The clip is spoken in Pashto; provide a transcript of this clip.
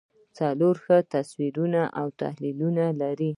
څلورم ښه تصور او تحلیل لري.